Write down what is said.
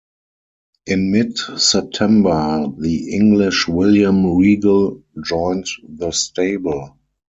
In mid September, the English William Regal joined the stable.